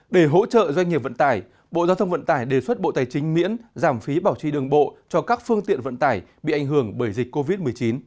để hỗ trợ doanh nghiệp vận tải bộ giao thông vận tải đề xuất bộ tài chính miễn giảm phí bảo trì đường bộ cho các phương tiện vận tải bị ảnh hưởng bởi dịch covid một mươi chín